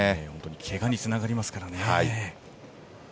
けがにつながりますからね。